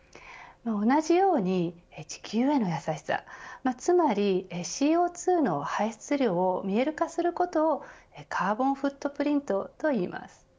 同じように地球への優しさ、つまりＣＯ２の排出量を見える化することをカーボンフットプリントといいます。